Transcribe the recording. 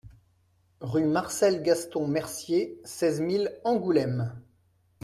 Rue Marcel Gaston Mercier, seize mille Angoulême